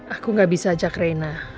aku gabisa ajak rena